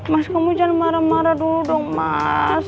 mas kamu jangan marah marah dulu dong mas